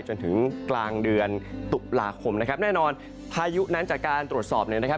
จนถึงกลางเดือนตุลาคมนะครับแน่นอนพายุนั้นจากการตรวจสอบเนี่ยนะครับ